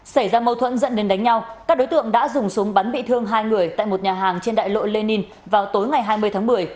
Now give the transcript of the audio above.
xảy ra mâu thuẫn dẫn đến đánh nhau các đối tượng đã dùng súng bắn bị thương hai người tại một nhà hàng trên đại lộ lenin vào tối ngày hai mươi tháng một mươi